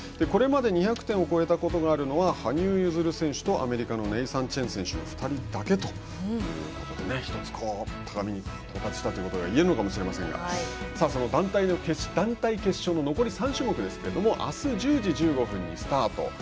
これまで２００点を超えたことがあるのは羽生結弦選手とアメリカのネイサン・チェン選手の２人だけということで１つ高みに到達したということが言えるのかもしれませんがさあ、その団体決勝の残り３種目ですけれどもあす１０時１５分にスタート。